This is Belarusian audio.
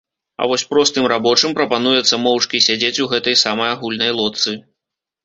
А вось простым рабочым прапануецца моўчкі сядзець у гэтай самай агульнай лодцы.